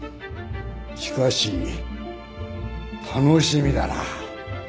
しかし楽しみだなぁ。